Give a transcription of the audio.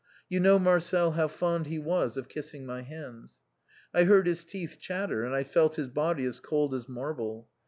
You know, Marcel, how fond he was of kissing my hands. I heard his teeth chatter and I felt his body as cold as marble.